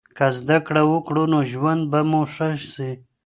که زده کړه وکړو نو ژوند به مو ښه سي.